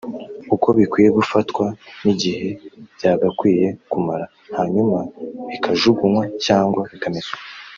uko bikwiye gufatwa n’igihe byagakwiye kumara hanyuma bikajugunywa cyangwa bikameswa